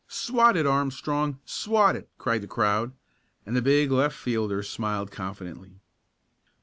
"Swat it, Armstrong! Swat it!" cried the crowd, and the big left fielder smiled confidently.